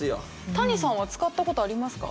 谷さんは使った事ありますか？